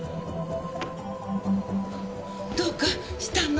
どうかしたの？